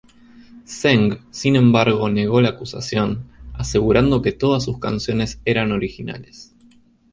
Zeng sin embargo negó la acusación, asegurando que todas sus canciones eran originales.